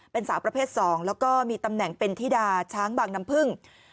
เป็นสาวประเภท๒แล้วก็มีตำแหน่งเป็นธิดาช้างบางน้ำพึ่ง